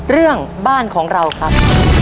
เรื่องบ้านของเราครับ